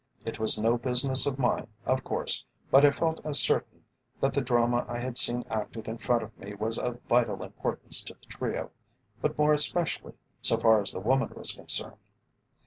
It was no business of mine, of course, but I felt as certain that the drama I had seen acted in front of me was of vital importance to the trio, but more especially so far as the woman was concerned.